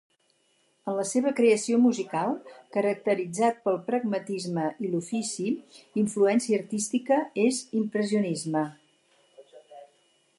En la seva creació musical, caracteritzat pel pragmatisme i l'ofici influència artística és l'impressionisme.